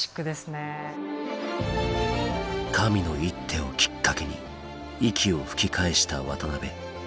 神の一手をきっかけに息を吹き返した渡辺。